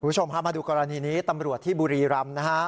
ผู้ชมค่ะมาดูกรณีนี้ตำรวจที่บุรีรำนะฮะ